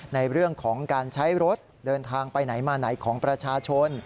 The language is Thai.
ในเรื่องของการใช้รถเดินทางไปไหนมาไหนของประชาชน